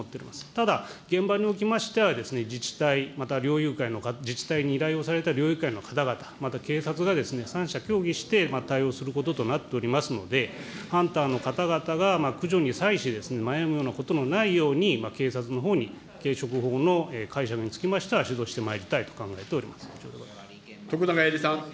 ただ、現場におきましては自治体、また猟友会、自治体に依頼をされた猟友会の方々、また警察が３者協議して対応することとなっておりますので、ハンターの方々が駆除に際し、迷うようなことの内容に、警察のほうに警職法の解除につきましては指導してまいりたいと考徳永エリさん。